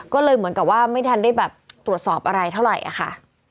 ก็เลยเหมือนกับว่าไม่ทันได้แบบตรวจสอบอะไรเท่าไหร่ค่ะ